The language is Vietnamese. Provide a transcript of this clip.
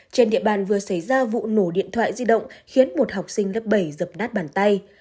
trên địa bàn vừa xảy ra vụ nổ điện thoại di động khiến một học sinh lớp bảy dập đát bàn tay